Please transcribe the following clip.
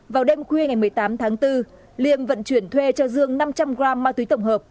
vào đêm khuya ngày một mươi tám tháng bốn liêm vận chuyển thuê cho dương năm trăm linh g ma túy tổng hợp